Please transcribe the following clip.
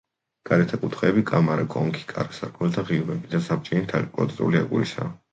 გარეთა კუთხეები, კამარა, კონქი, კარ-სარკმელთა ღიობები და საბჯენი თაღი კვადრატული აგურისაა.